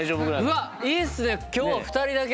うわっいいっすね。